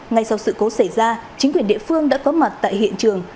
ngay sau sự cố xảy ra chính quyền địa phương đã có mặt tại hiện trường